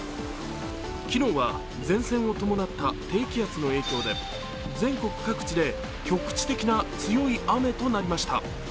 昨日は前線を伴った低気圧の影響で全国各地で局地的な強い雨となりました。